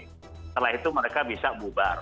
setelah itu mereka bisa bubar